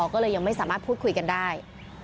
ก็เลยยังไม่สามารถพูดคุยกันได้